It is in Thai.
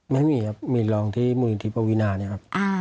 ไม่มีครับมีรองที่มูลนิธิปวีนาเนี่ยครับ